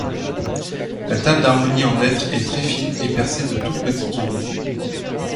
La table d'harmonie en hêtre est très fine et percée de toutes petites ouïes.